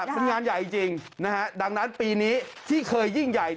เป็นงานใหญ่จริงนะฮะดังนั้นปีนี้ที่เคยยิ่งใหญ่